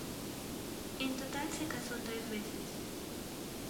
En total se casó tres veces.